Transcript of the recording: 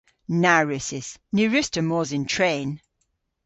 Na wrussys. Ny wruss'ta mos yn tren.